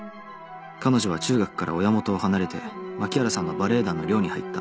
彼女は中学から親元を離れて槇原さんのバレエ団の寮に入った。